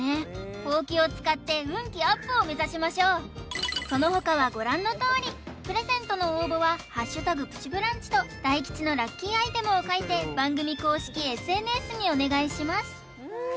ほうきを使って運気アップを目指しましょうそのほかはご覧のとおりプレゼントの応募は「＃プチブランチ」と大吉のラッキーアイテムを書いて番組公式ＳＮＳにお願いします